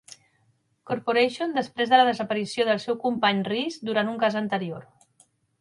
Corporation després de la desaparició del seu company Reese durant un cas anterior.